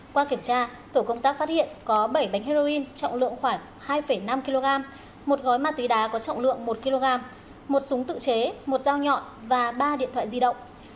qua kiểm tra tổ công tác phát hiện có bảy bánh heroin trọng lượng khoảng hai năm kg một gói ma túy đá có trọng lượng một kg một súng tự chế một dao nhọn và ba điện thoại di động